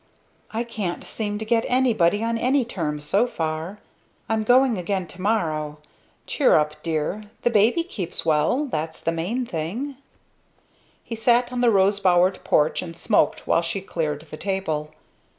"I can't seem to get anybody on any terms, so far. I'm going again, to morrow. Cheer up, dear the baby keeps well that's the main thing." He sat on the rose bowered porch and smoked while she cleared the table.